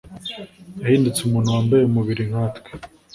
yahindutse umuntu wambaye umubiri nkatwe